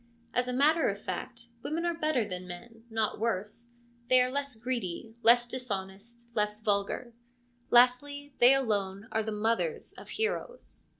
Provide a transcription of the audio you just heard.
As a matter of fact, women are better than men, not worse ; they are less greedy, less dishonest, less vulgar ; lastly, they alone are the mothers of heroes.